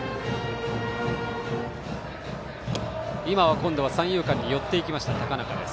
今度は三遊間に寄っていきました高中です。